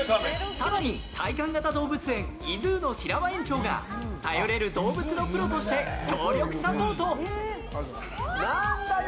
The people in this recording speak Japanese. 更に、体感型動物園ｉＺｏｏの白輪園長が頼れる動物のプロとして強力サポート。